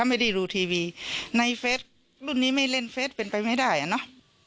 ไม่ได้ดูทีวีในเฟสรุ่นนี้ไม่เล่นเฟสเป็นไปไม่ได้อ่ะเนอะ